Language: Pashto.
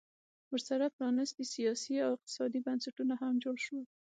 ورسره پرانیستي سیاسي او اقتصادي بنسټونه هم جوړ شول